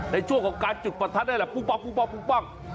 ในช่วงของการจุดประทัดนั่นแหละปุ้งปั้ง